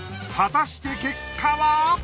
果たして結果は！？